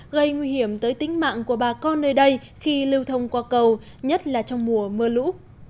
gây nguy hiểm tới tính mạng của bà con nơi đây khi lưu thông qua cầu nhất là trong mùa mưa lũ